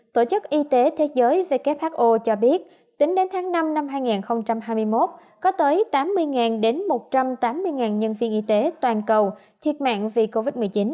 tổ chức y tế thế giới who cho biết tính đến tháng năm năm hai nghìn hai mươi một có tới tám mươi đến một trăm tám mươi nhân viên y tế toàn cầu thiệt mạng vì covid một mươi chín